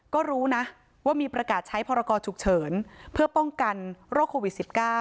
ก็รู้นะว่ามีประกาศใช้พรกรฉุกเฉินเพื่อป้องกันโรคโควิด๑๙